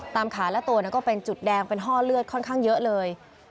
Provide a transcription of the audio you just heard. ขาและตัวก็เป็นจุดแดงเป็นห้อเลือดค่อนข้างเยอะเลย